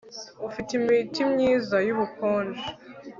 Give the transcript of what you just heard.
Ufite imiti myiza yubukonje